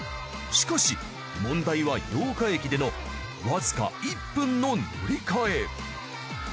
しかし問題は八鹿駅でのわずか１分の乗り換え。